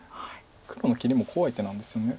黒の切りも怖い手なんですよね。